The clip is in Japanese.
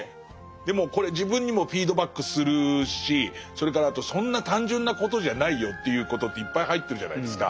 でもこれ自分にもフィードバックするしそれからあとそんな単純なことじゃないよっていうことっていっぱい入ってるじゃないですか。